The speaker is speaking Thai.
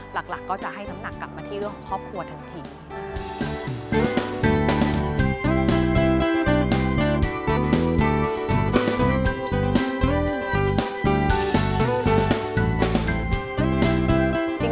หลักก็จะให้น้ำหนักกลับมาที่เรื่องของครอบครัวทันที